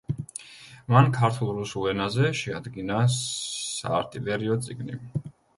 მან ქართულ-რუსულ ენაზე შეადგინა საარტილერიო წიგნი.